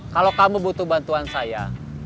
kalau kamu butuh bantuan saya